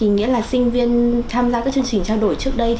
nghĩa là sinh viên tham gia các chương trình trao đổi trước đây